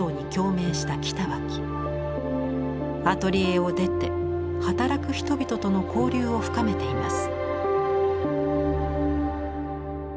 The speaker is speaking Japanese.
アトリエを出て働く人々との交流を深めています。